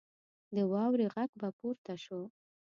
د واورې غږ به پورته شو.